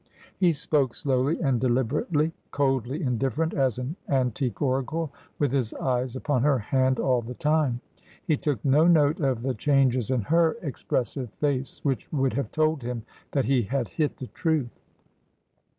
He spoke slowly and deliberately — coldly indifferent as an antique oracle — with his eyes upon her hand all the time. He took no note of the changes in her expressive face, which would have told him that he had hit the truth.